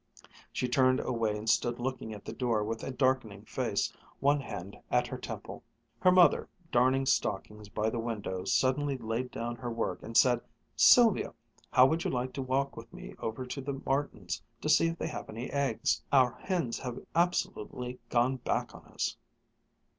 She turned away and stood looking at the floor with a darkening face, one hand at her temple. Her mother, darning stockings by the window, suddenly laid down her work and said: "Sylvia, how would you like to walk with me over to the Martins' to see if they have any eggs? Our hens have absolutely gone back on us."